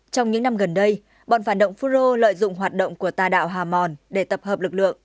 trong những năm gần đây bọn phản động phun rô lợi dụng hoạt động của tà đạo hà mòn để tập hợp lực lượng